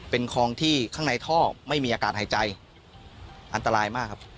เป็นคลองที่ข้างในท่อไม่มีอากาศหายใจอันตรายมากครับ